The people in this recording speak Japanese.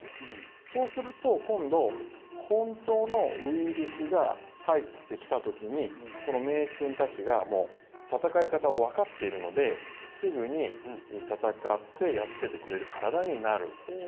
そうすると今度本当のウイルスが入ってきた時にこの免疫君たちが戦い方をわかっているのですぐに戦ってやっつけてくれる体になる。